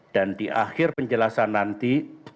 dan di akhir penjelasan nanti